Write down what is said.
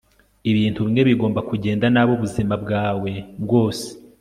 Ibintu bimwe bigomba kugenda nabi ubuzima bwawe bwose